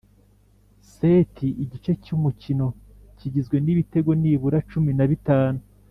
seti: igice cy’umukino kigizwe n’ibitego nibura cumin a bitanu